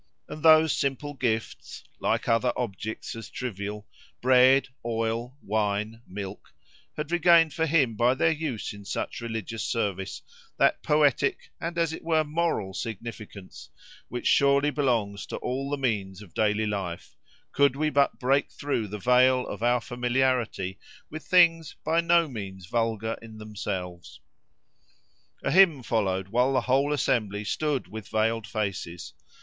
And those simple gifts, like other objects as trivial—bread, oil, wine, milk—had regained for him, by their use in such religious service, that poetic and as it were moral significance, which surely belongs to all the means of daily life, could we but break through the veil of our familiarity with things by no means vulgar in themselves. A hymn followed, while the whole assembly stood with veiled faces.